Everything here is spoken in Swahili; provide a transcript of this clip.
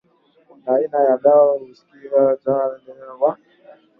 na aina ya dawa husika kiasi cha dawa kilichotumikamuda wa